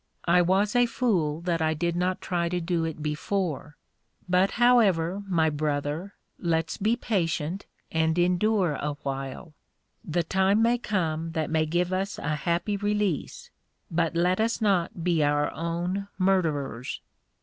I was a fool that I did not try to do it before; but however, my Brother, let's be patient, and endure a while; the time may come that may give us a happy release; but let us not be our own murderers.